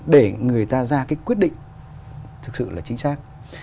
để người ta ra cái quyết định thực sự là chính xác